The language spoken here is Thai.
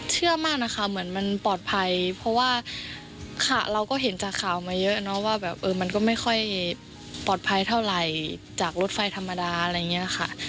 เชื่อมากนะคะเหมือนมันปลอดภัยเพราะว่าค่ะเราก็เห็นจากข่าวมาเยอะเนาะว่าแบบเออมันก็ไม่ค่อยปลอดภัยเท่าไหร่จากรถไฟธรรมดาอะไรอย่างนี้ค่ะ